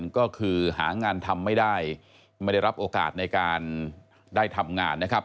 ก็คือหางานทำไม่ได้ไม่ได้รับโอกาสในการได้ทำงานนะครับ